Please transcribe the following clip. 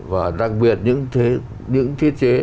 và đặc biệt những thiết chế